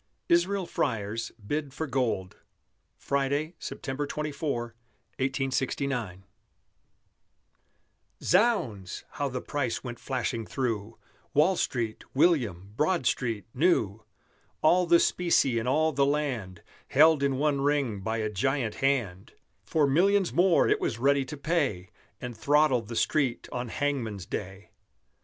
ISRAEL FREYER'S BID FOR GOLD FRIDAY, SEPTEMBER 24, 1869 Zounds! how the price went flashing through Wall Street, William, Broad Street, New! All the specie in all the land Held in one Ring by a giant hand For millions more it was ready to pay, And throttle the Street on hangman's day.